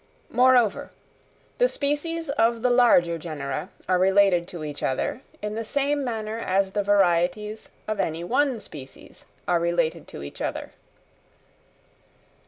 Moreover, the species of the larger genera are related to each other, in the same manner as the varieties of any one species are related to each other.